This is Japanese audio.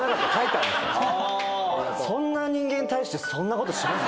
ああそんな人間に対してそんなことします？